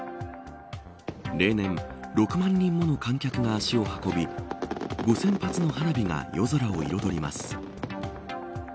例年、６万人もの観客が足を運び５０００発の花火が夜空を彩ります。